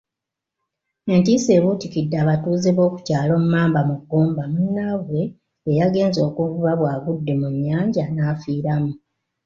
Entiisa ebuutikidde abatuuze b'okukyalo Mmamba mu Gomba munnabwe ayagenze okuvuba bw'agudde mu nnyanja n'afiiramu.